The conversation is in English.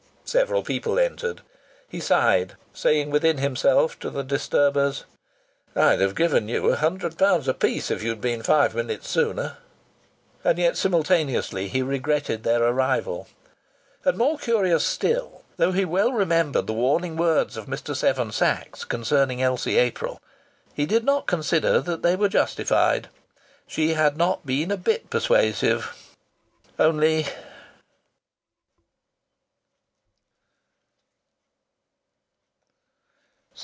Several people entered. He sighed, saying within himself to the disturbers: "I'd have given you a hundred pounds apiece if you'd been five minutes sooner." And yet simultaneously he regretted their arrival. And, more curious still, though he well remembered the warning words of Mr. Seven Sachs concerning Elsie April, he did not consider that they were justified.... She had not been a bit persuasive ... only....